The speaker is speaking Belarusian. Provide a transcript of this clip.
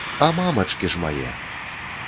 А мамачкі ж мае.